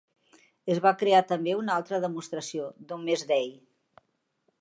Es va crear també una altra demostració, "Domesday".